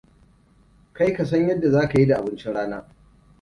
Kai ka san yadda za ka yi da abincin rana.